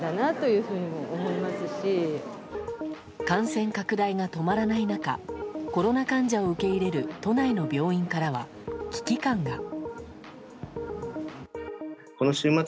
感染拡大が止まらない中コロナ患者を受け入れる都内の病院からは危機感が。